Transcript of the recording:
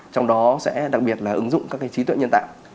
trong đó sẽ đặc biệt là ứng dụng các trí tuệ nhân tạo